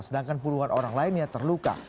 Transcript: sedangkan puluhan orang lainnya terluka